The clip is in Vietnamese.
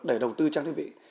để đầu tư trang thiết bị